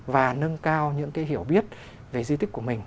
và nâng cao những cái hiểu biết về di tích của mình